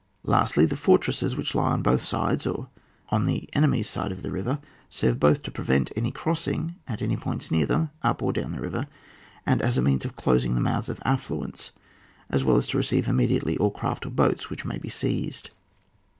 Lastly, the fortresses, which lie on both sides, or on the enemy's side of the river, serve both to prevent any crossing at any points near them, up or down the river, and as a means of closing the mouths of affluents, as well as to receive immediately all craft or boats which may be seijsed.